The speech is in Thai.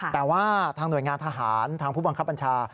แต่ว่าทางหน่วยงานทหารทางผู้บังคับบัญชา